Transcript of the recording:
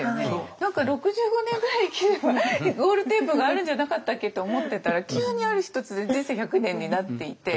何か６５年ぐらい生きればゴールテープがあるんじゃなかったっけって思ってたら急にある日突然人生１００年になっていて。